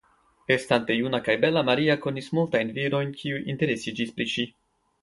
Estante juna kaj bela Maria konis multajn virojn kiuj interesiĝis pri ŝi.